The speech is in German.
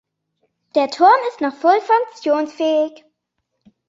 Der Turm ist noch voll funktionsfähig.